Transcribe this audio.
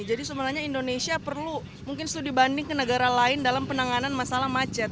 jadi sebenarnya indonesia perlu mungkin sudah dibanding ke negara lain dalam penanganan masalah macet